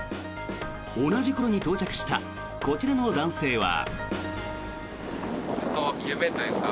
同じ頃に到着したこちらの男性は。